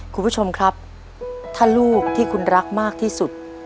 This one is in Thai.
คุณผู้ชมครับถ้าลูกที่คุณรักมากที่สุด